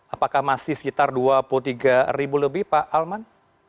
apakah masih sekitar dua puluh tiga ribu lebih pak alman